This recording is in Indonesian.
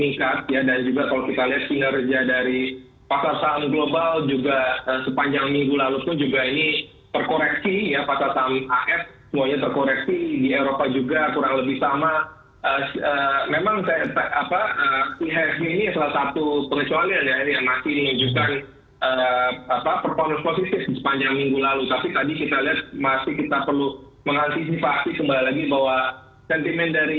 ihsg dalam jangka pelet ini